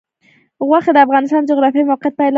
غوښې د افغانستان د جغرافیایي موقیعت پایله ده.